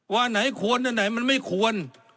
ว่าไหนควรอันไหนมันไม่ควร